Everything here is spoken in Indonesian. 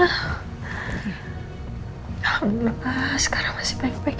alhamdulillah ascara masih baik baik aja